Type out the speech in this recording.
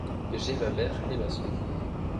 J’ai ma mère et ma sœur.